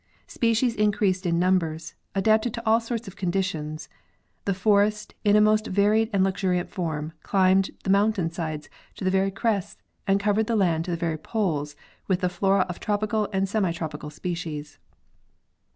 Species increased in numbers, adapted to all sorts of conditions; the forest in a most varied and luxuriant form climbed the mountain sides to the very crests, and covered the land to the very poles with a flora of tropical and semi tropical species.